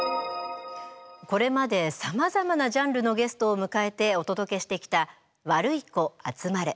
これまでさまざまなジャンルのゲストをむかえてお届けしてきた「ワルイコあつまれ」。